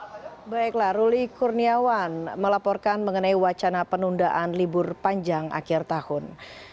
baiklah ruli kurniawan melaporkan mengenai wacana penundaan libur panjang akhir tahun